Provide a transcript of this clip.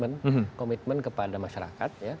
bentuk komitmen komitmen kepada masyarakat